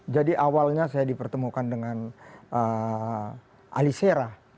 jadi awalnya saya dipertemukan dengan ali serah